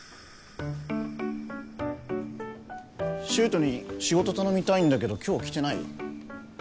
柊人に仕事頼みたいんだけど今日来てない？